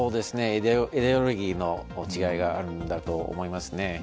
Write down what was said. イデオロギーの違いがあるんだと思いますね。